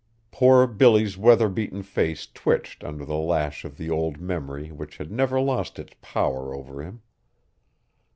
Poor Billy's weather beaten face twitched under the lash of the old memory which had never lost its power over him.